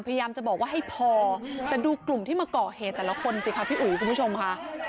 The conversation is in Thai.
พยายามจะบอกว่าให้พอแต่ดูกลุ่มที่มาก่อเหตุแต่ละคนสิคะพี่อุ๋ยคุณผู้ชมค่ะ